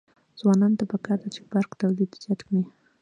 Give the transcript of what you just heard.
ځوانانو ته پکار ده چې، برق تولید زیات کړي.